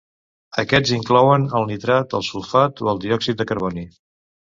Aquests inclouen: el nitrat, el sulfat o el diòxid de carboni.